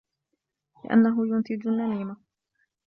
لِأَنَّهُ يُنْتِجُ النَّمِيمَةَ